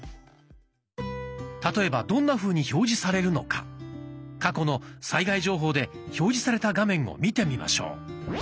例えばどんなふうに表示されるのか過去の災害情報で表示された画面を見てみましょう。